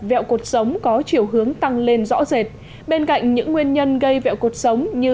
vẹo cuộc sống có chiều hướng tăng lên rõ rệt bên cạnh những nguyên nhân gây vẹo cuộc sống như